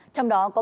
trong đó có